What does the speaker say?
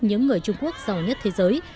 những người trung quốc giàu nhất thế giới